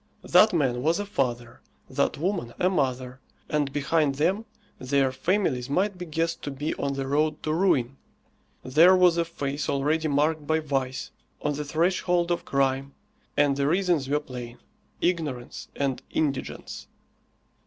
That man was a father, that woman a mother, and behind them their families might be guessed to be on the road to ruin. There was a face already marked by vice, on the threshold of crime, and the reasons were plain ignorance and indigence.